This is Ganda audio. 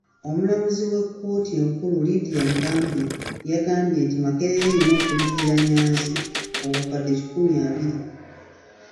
Omulamuzi wa kkooti enkulu Lydia Mugambe yagambye nti Makerere erina okuliyirira Nyanzi obukadde kikumi abiri.